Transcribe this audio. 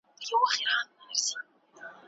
خوب ملا ته یو نوی ژوند ورکړ.